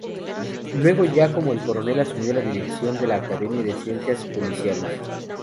Luego ya como Coronel asumió la Dirección de la Academia de Ciencias Policiales.